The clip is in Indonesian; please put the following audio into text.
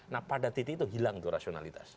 nah pada titik itu hilang tuh rasionalitas